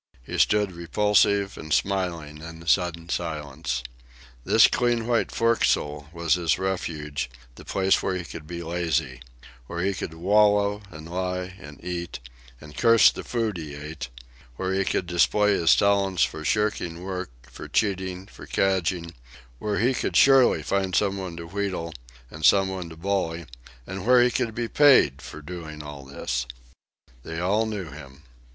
He stood repulsive and smiling in the sudden silence. This clean white forecastle was his refuge; the place where he could be lazy; where he could wallow, and lie and eat and curse the food he ate; where he could display his talents for shirking work, for cheating, for cadging; where he could find surely some one to wheedle and some one to bully and where he would be paid for doing all this. They all knew him.